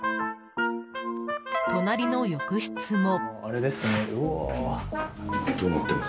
隣の浴室も。